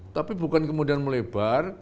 tapi bukan kemudian melebar